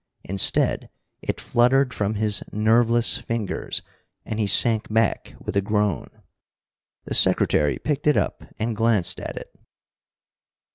Instead, it fluttered from his nerveless fingers, and he sank back with a groan. The Secretary picked it up and glanced at it.